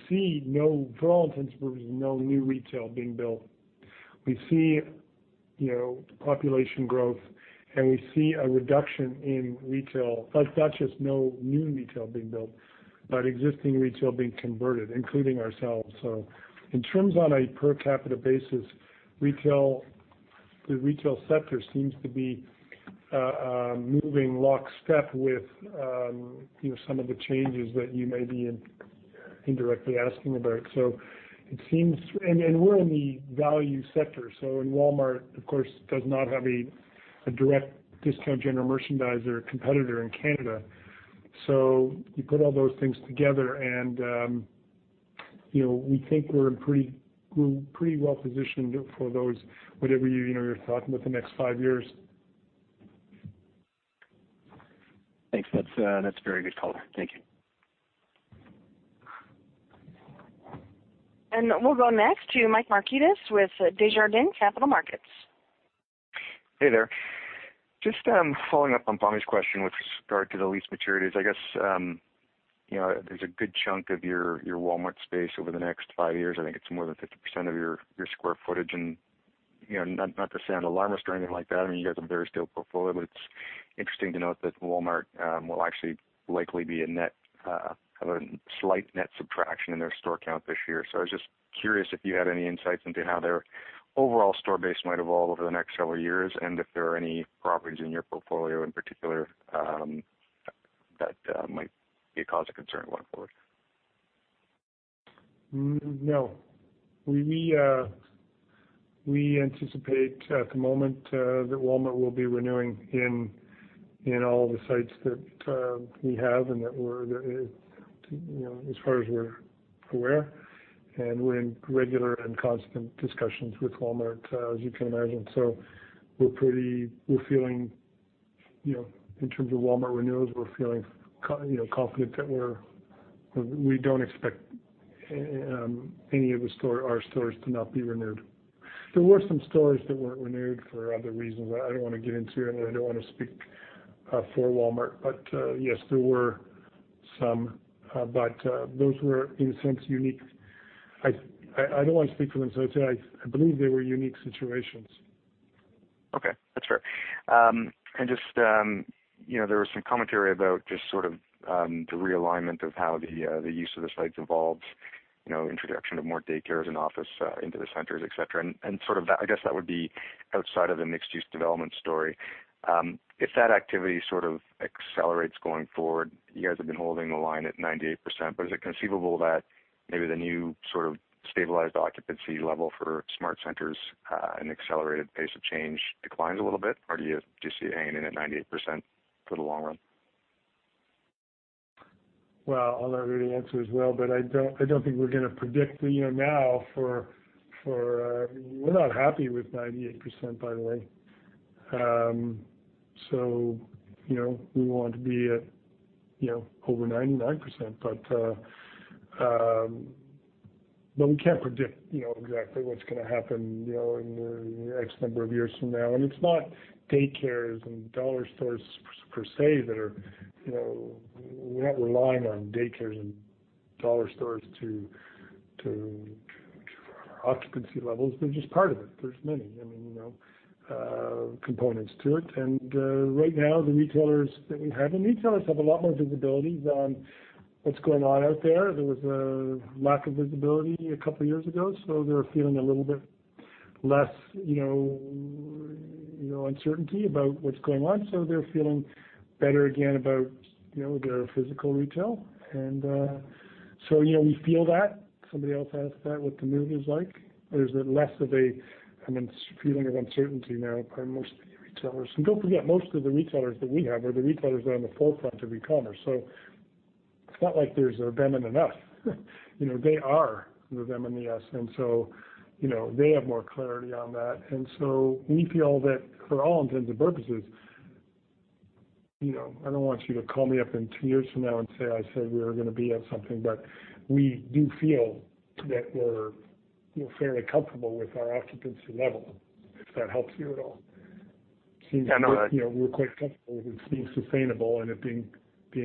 see for all intents and purposes, no new retail being built. We see population growth, and we see a reduction in retail. Not just no new retail being built, but existing retail being converted, including ourselves. In terms on a per capita basis, the retail sector seems to be moving lockstep with some of the changes that you may be indirectly asking about. We're in the value sector, so in Walmart, of course, does not have a direct discount general merchandiser competitor in Canada. You put all those things together, and we think we're pretty well positioned for those, whatever you're talking about the next five years. Thanks. That's a very good color. Thank you. We'll go next to Michael Markidis with Desjardins Capital Markets. Hey there. Just following up on Pammi's question with regard to the lease maturities. I guess there's a good chunk of your Walmart space over the next five years. I think it's more than 50% of your square footage. Not to sound alarmist or anything like that, you guys have a very stable portfolio. It's interesting to note that Walmart will actually likely have a slight net subtraction in their store count this year. I was just curious if you had any insights into how their overall store base might evolve over the next several years, and if there are any properties in your portfolio in particular that might be a cause of concern going forward. No. We anticipate at the moment that Walmart will be renewing in all the sites that we have and as far as we're aware. We're in regular and constant discussions with Walmart as you can imagine. We're feeling in terms of Walmart renewals, we're feeling confident that we don't expect any of our stores to not be renewed. There were some stores that weren't renewed for other reasons that I don't want to get into, and I don't want to speak for Walmart. Yes, there were some, but those were in a sense unique. I don't want to speak for them, I'd say I believe they were unique situations. Okay. That's fair. Just there was some commentary about just sort of the realignment of how the use of the sites evolved, introduction of more daycares and office into the centers, et cetera. I guess that would be outside of the mixed-use development story. If that activity sort of accelerates going forward, you guys have been holding the line at 98%, but is it conceivable that maybe the new sort of stabilized occupancy level for SmartCentres, an accelerated pace of change declines a little bit, or do you see it hanging in at 98% for the long run? Well, I'll let Rudy answer as well. I don't think we're going to predict now. We're not happy with 98%, by the way. We want to be at over 99%. We can't predict exactly what's going to happen in the X number of years from now. It's not daycares and dollar stores per se that we're not relying on daycares and dollar stores to occupancy levels. They're just part of it. There's many components to it. Right now, the retailers that we have. Retailers have a lot more visibility on what's going on out there. There was a lack of visibility a couple of years ago. They're feeling a little bit less uncertainty about what's going on. They're feeling better again about their physical retail. We feel that. Somebody else asked that what the mood is like. There's less of a feeling of uncertainty now by most of the retailers. Don't forget, most of the retailers that we have are the retailers that are on the forefront of e-commerce. It's not like there's a them and an us. They are the them and the us. They have more clarity on that. We feel that for all intents and purposes, I don't want you to call me up in two years from now and say, I said we were going to be at something, but we do feel that we're fairly comfortable with our occupancy level, if that helps you at all. I know that- We're quite comfortable with it being sustainable and it being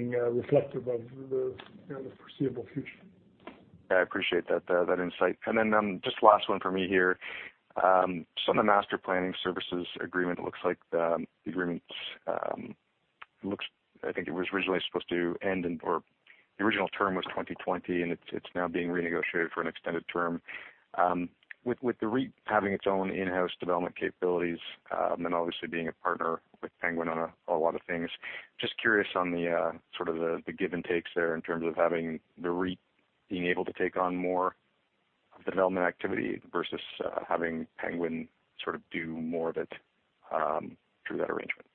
reflective of the foreseeable future. I appreciate that insight. Just last one for me here. On the master planning services agreement, I think it was originally supposed to end in, or the original term was 2020, and it's now being renegotiated for an extended term. With the REIT having its own in-house development capabilities, and then obviously being a partner with Penguin on a lot of things, just curious on the sort of the give and takes there in terms of having the REIT being able to take on more development activity versus having Penguin sort of do more of it through that arrangement.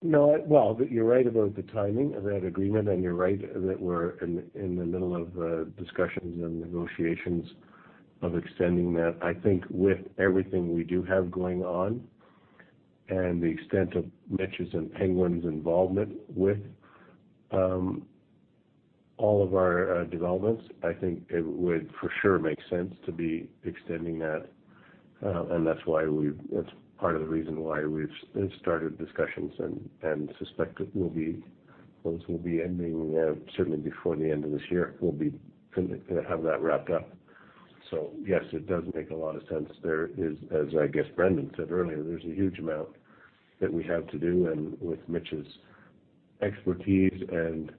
You're right about the timing of that agreement, and you're right that we're in the middle of discussions and negotiations of extending that. I think with everything we do have going on, and the extent of Mitch's and Penguin's involvement with all of our developments, I think it would for sure make sense to be extending that. That's part of the reason why we've started discussions and suspect those will be ending, certainly before the end of this year, we'll have that wrapped up. Yes, it does make a lot of sense. As I guess Brendan said earlier, there's a huge amount that we have to do. With Mitch's expertise and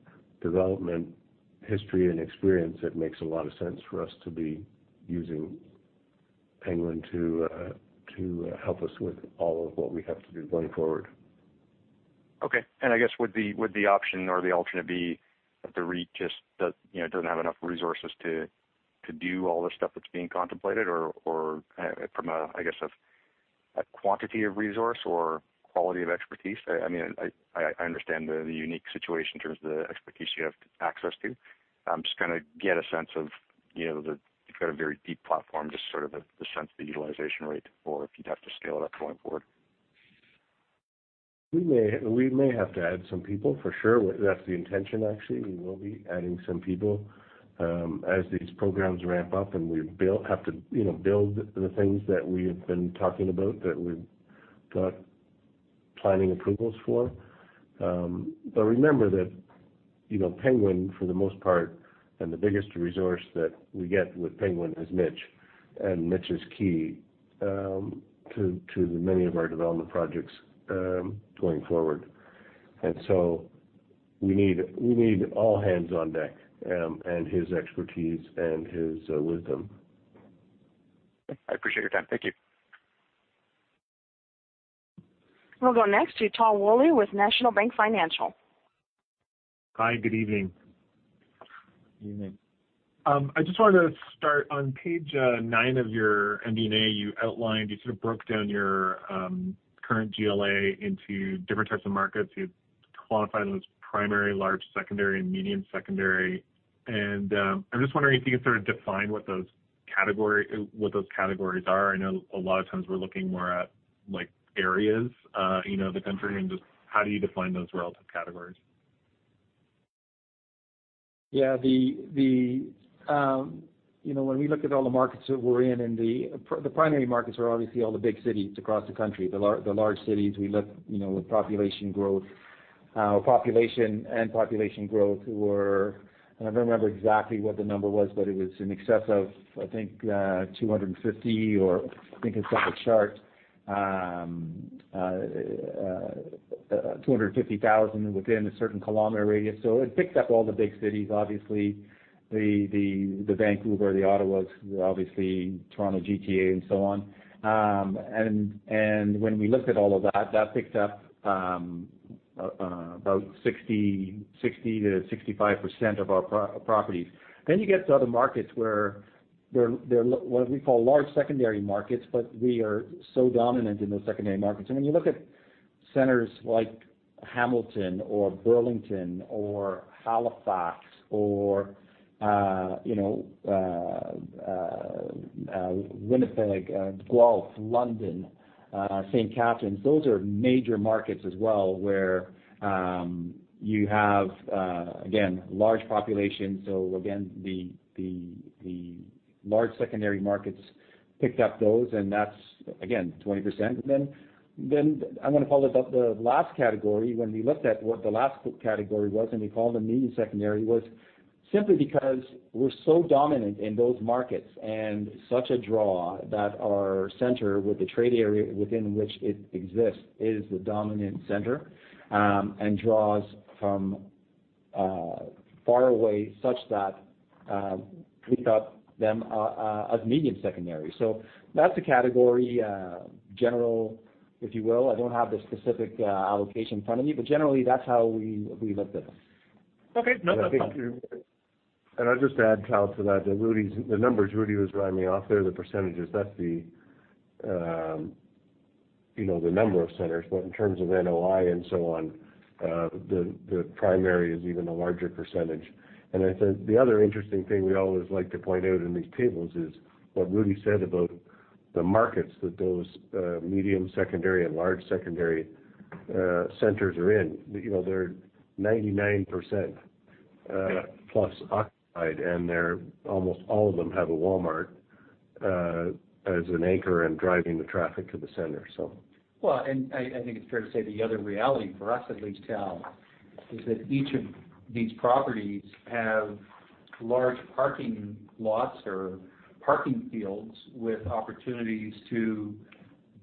development history and experience, it makes a lot of sense for us to be using Penguin to help us with all of what we have to do going forward. Okay. I guess, would the option or the alternate be that the REIT just doesn't have enough resources to do all the stuff that's being contemplated from a quantity of resource or quality of expertise? I understand the unique situation in terms of the expertise you have access to. I'm just going to get a sense of, you've got a very deep platform, just sort of the sense of the utilization rate, or if you'd have to scale it up going forward. We may have to add some people for sure. That's the intention actually. We will be adding some people as these programs ramp up and we have to build the things that we have been talking about, that we've got planning approvals for. Remember that Penguin, for the most part, and the biggest resource that we get with Penguin is Mitch. Mitch is key to many of our development projects going forward. We need all hands on deck, and his expertise and his wisdom. I appreciate your time. Thank you. We'll go next to Tal Woolley with National Bank Financial. Hi, good evening. Evening. I just wanted to start. On page nine of your MD&A, you outlined, you sort of broke down your current GLA into different types of markets. You've qualified them as primary, large secondary and medium secondary. I'm just wondering if you could sort of define what those categories are. I know a lot of times we're looking more at areas of the country. Just how do you define those relative categories? Yeah. When we look at all the markets that we're in, the primary markets are obviously all the big cities across the country, the large cities. We look with population and population growth who are, I don't remember exactly what the number was, it was in excess of, I think, 250, I think it's on the chart, 250,000 within a certain kilometer radius. It picks up all the big cities, obviously, the Vancouver, the Ottawa, obviously Toronto, GTA and so on. When we looked at all of that picked up about 60%-65% of our properties. You get to other markets where they're what we call large secondary markets, we are so dominant in the secondary markets. When you look at centers like Hamilton or Burlington or Halifax or Winnipeg, Guelph, London, St. Catharines, those are major markets as well where you have, again, large populations. Again, the large secondary markets picked up those, and that's, again, 20%. Then I want to call it the last category. When we looked at what the last category was, and we called them medium secondary, was simply because we're so dominant in those markets and such a draw that our center with the trade area within which it exists is the dominant center. Draws from far away such that we thought of them as medium secondary. That's the category, general, if you will. I don't have the specific allocation in front of me, but generally that's how we looked at them. Okay. No, that's fine. I'll just add, Tal, to that, the numbers Rudy was running off there, the percentages, that's the number of centers. In terms of NOI and so on, the primary is even a larger percentage. I think the other interesting thing we always like to point out in these tables is what Rudy said about the markets that those medium secondary and large secondary centers are in. They're 99%-plus occupied, and almost all of them have a Walmart as an anchor and driving the traffic to the center. Well, I think it's fair to say the other reality for us at least, Tal, is that each of these properties have large parking lots or parking fields with opportunities to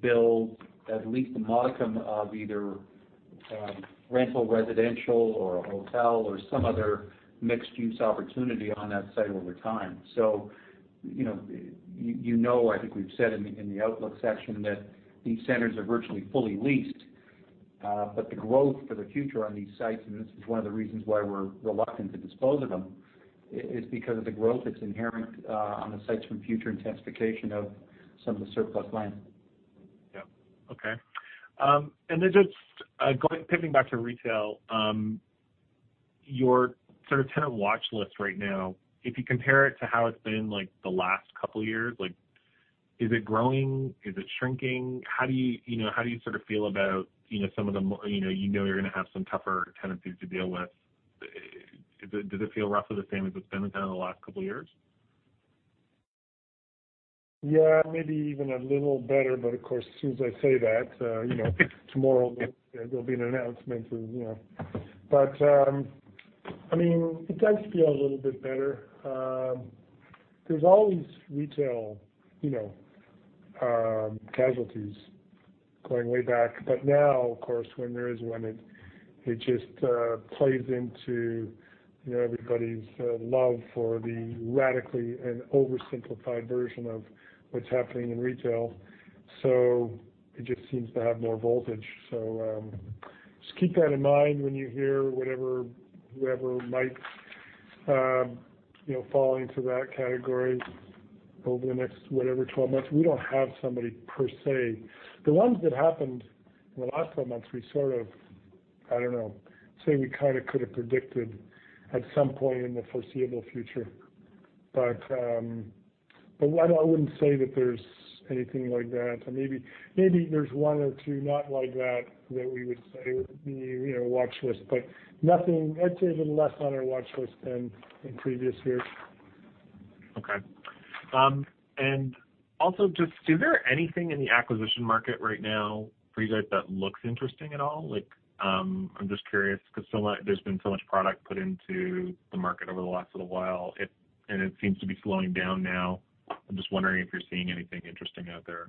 build at least a modicum of either rental residential or a hotel or some other mixed-use opportunity on that site over time. You know, I think we've said in the outlook section that these centers are virtually fully leased The growth for the future on these sites, and this is one of the reasons why we're reluctant to dispose of them, is because of the growth that's inherent on the sites from future intensification of some of the surplus land. Yeah. Okay. Just pivoting back to retail, your sort of tenant watch list right now, if you compare it to how it's been the last couple of years, is it growing? Is it shrinking? How do you feel about some of them? You know you're going to have some tougher tenancies to deal with. Does it feel roughly the same as it's been within the last couple of years? Yeah, maybe even a little better. Of course, as soon as I say that, tomorrow there'll be an announcement. It does feel a little bit better. There's always retail casualties going way back. Now, of course, when there is one, it just plays into everybody's love for the radically and oversimplified version of what's happening in retail. It just seems to have more voltage. Just keep that in mind when you hear whoever might fall into that category over the next 12 months. We don't have somebody per se. The ones that happened in the last 12 months, we sort of, I don't know, say we could have predicted at some point in the foreseeable future. I wouldn't say that there's anything like that. Maybe there's one or two, not like that we would say would be on our watch list. I'd say a little less on our watch list than in previous years. Is there anything in the acquisition market right now for you guys that looks interesting at all? I'm just curious because there's been so much product put into the market over the last little while, and it seems to be slowing down now. I'm just wondering if you're seeing anything interesting out there.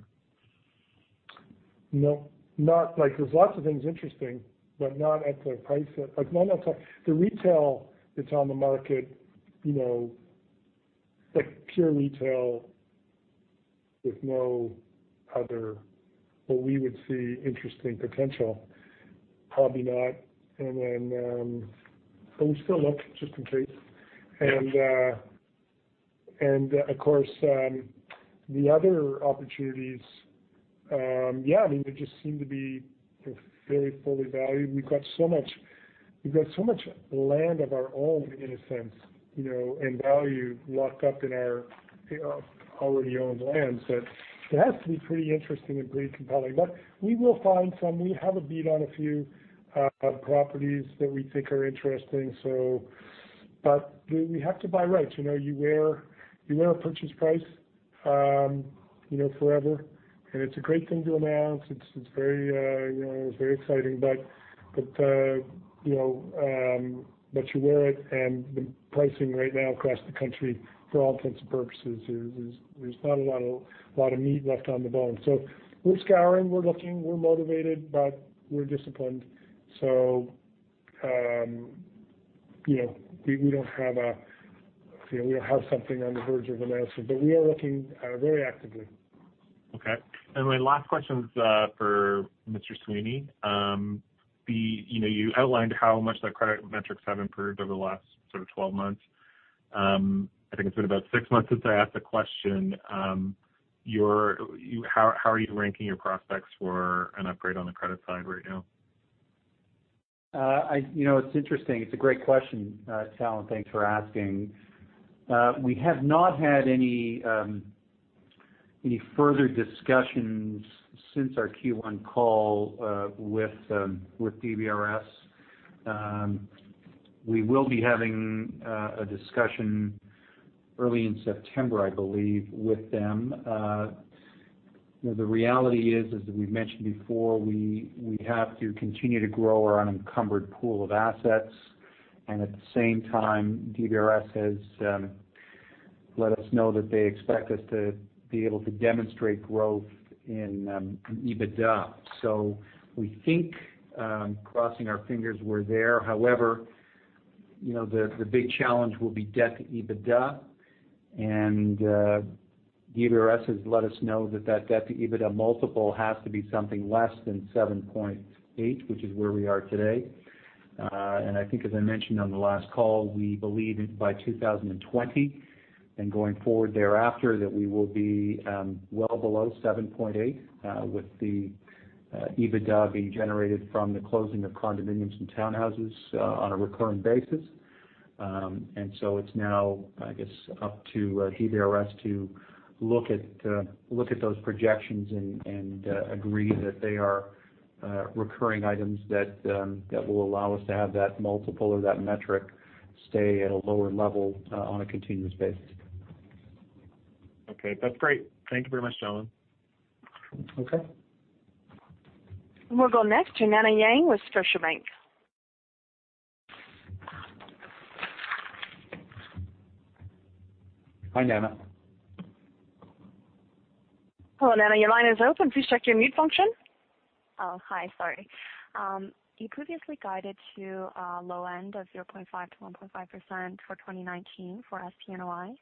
No. There's lots of things interesting, but not at the price. The retail that's on the market, pure retail with no other what we would see interesting potential, probably not. We still look just in case. Of course, the other opportunities, yeah, they just seem to be very fully valued. We've got so much land of our own, in a sense, and value locked up in our already-owned land. It has to be pretty interesting and pretty compelling. We will find some. We have a beat on a few properties that we think are interesting. We have to buy right. You wear a purchase price forever, and it's a great thing to announce. It's very exciting. You wear it, and the pricing right now across the country, for all intents and purposes, there's not a lot of meat left on the bone. We're scouring, we're looking, we're motivated, but we're disciplined. We don't have something on the verge of announcement. We are looking very actively. Okay. My last question is for Mr. Sweeney. You outlined how much the credit metrics have improved over the last 12 months. I think it's been about six months since I asked the question. How are you ranking your prospects for an upgrade on the credit side right now? It's interesting. It's a great question, Tal. Thanks for asking. We have not had any further discussions since our Q1 call with DBRS. We will be having a discussion early in September, I believe, with them. The reality is, as we've mentioned before, we have to continue to grow our unencumbered pool of assets. At the same time, DBRS has let us know that they expect us to be able to demonstrate growth in EBITDA. We think, crossing our fingers, we're there. However, the big challenge will be debt to EBITDA. DBRS has let us know that that debt to EBITDA multiple has to be something less than 7.8, which is where we are today. I think as I mentioned on the last call, we believe by 2020 and going forward thereafter, that we will be well below 7.8 with the EBITDA being generated from the closing of condominiums and townhouses on a recurring basis. It's now, I guess, up to DBRS to look at those projections and agree that they are recurring items that will allow us to have that multiple or that metric stay at a lower level on a continuous basis. Okay. That's great. Thank you very much, gentlemen. Okay. We'll go next to Jenny Ma with Scotiabank. Hi, Nana. Hello, Nana, your line is open. Please check your mute function. Oh, hi. Sorry. You previously guided to a low end of 0.5%-1.5% for 2019 for SPNOI.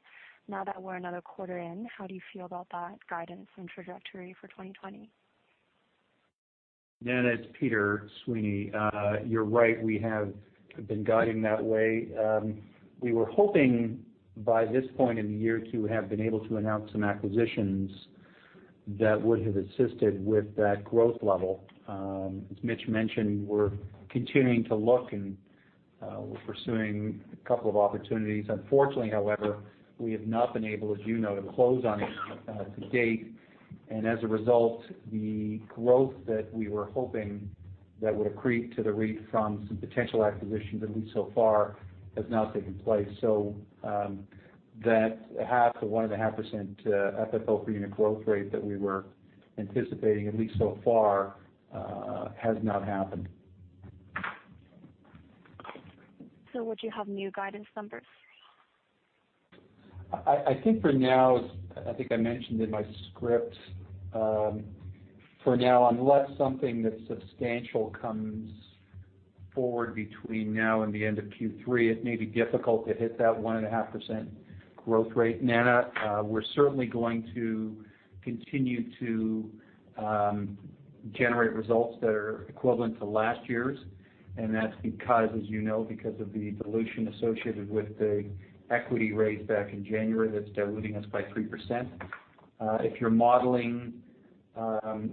Now that we're another quarter in, how do you feel about that guidance and trajectory for 2020? Nana, it's Peter Sweeney. You're right, we have been guiding that way. We were hoping by this point in the year to have been able to announce some acquisitions that would have assisted with that growth level. As Mitch mentioned, we're continuing to look, we're pursuing a couple of opportunities. Unfortunately, however, we have not been able, as you know, to close on to date. As a result, the growth that we were hoping that would accrete to the REIT from some potential acquisitions, at least so far, has not taken place. That 0.5%-1.5% FFO per unit growth rate that we were anticipating, at least so far, has not happened. Would you have new guidance numbers? I think for now, I think I mentioned in my script. For now, unless something that's substantial comes forward between now and the end of Q3, it may be difficult to hit that 1.5% growth rate, Nana. We're certainly going to continue to generate results that are equivalent to last year's, that's because, as you know, because of the dilution associated with the equity raise back in January that's diluting us by 3%. If you're modeling,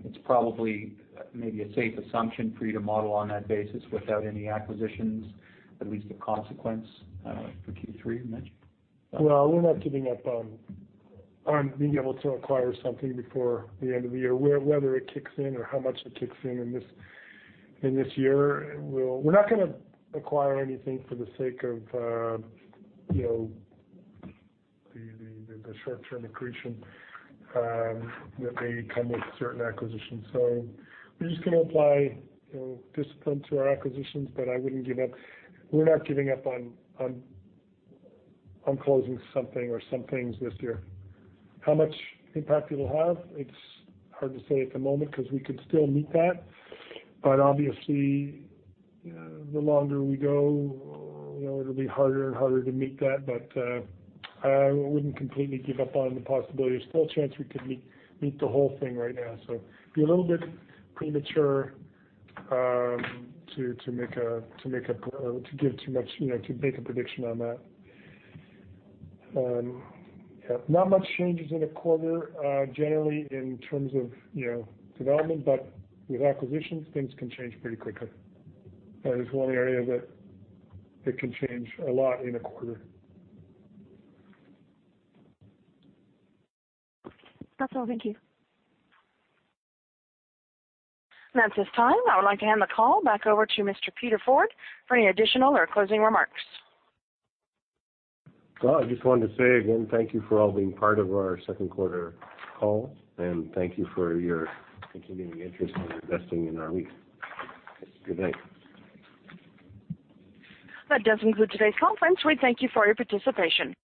it's probably maybe a safe assumption for you to model on that basis without any acquisitions, at least the consequence for Q3. Mitch? Well, we're not giving up on being able to acquire something before the end of the year, whether it kicks in or how much it kicks in in this year. We're not going to acquire anything for the sake of the short-term accretion that may come with certain acquisitions. We're just going to apply discipline to our acquisitions, but we're not giving up on closing something or some things this year. How much impact it'll have, it's hard to say at the moment because we could still meet that. Obviously, the longer we go, it'll be harder and harder to meet that. I wouldn't completely give up on the possibility. There's still a chance we could meet the whole thing right now. It'd be a little bit premature to make a prediction on that. Not much changes in a quarter, generally, in terms of development. With acquisitions, things can change pretty quickly. That is one area that it can change a lot in a quarter. That's all. Thank you. That's this time. I would like to hand the call back over to Mr. Peter Ford for any additional or closing remarks. Well, I just wanted to say again, thank you for all being part of our second quarter call, and thank you for your continuing interest in investing in our REIT. Good night. That does conclude today's conference. We thank you for your participation.